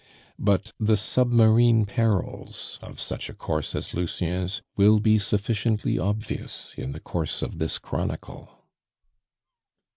But the submarine perils of such a course as Lucien's will be sufficiently obvious in the course of this chronicle.